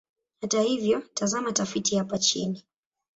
Hata hivyo, tazama tafiti hapa chini.